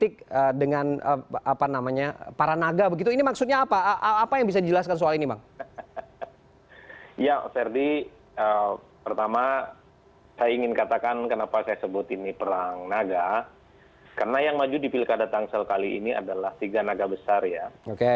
karena yang maju di pilkada tangsel kali ini adalah tiga naga besar ya